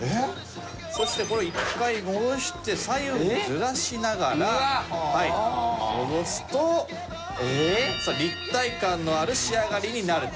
そして１回戻して左右にずらしながら戻すと立体感のある仕上がりになるという。